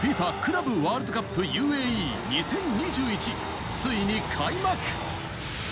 ＦＩＦＡクラブワールドカップＵＡＥ２０２１、ついに開幕。